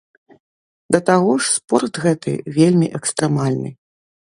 Да таго ж спорт гэты вельмі экстрэмальны.